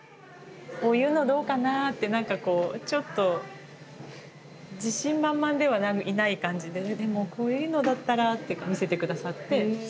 「こういうのどうかな？」って何かこうちょっと自信満々ではいない感じで「でもこういうのだったら」って見せて下さって。